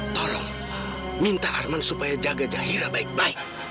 tolong minta arman supaya jaga jahira baik baik